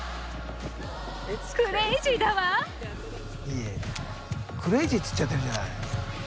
クレイジーって言っちゃってるじゃない。